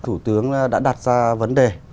thủ tướng đã đặt ra vấn đề